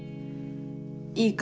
「いいか？